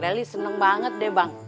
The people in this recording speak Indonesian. dalily seneng banget deh bang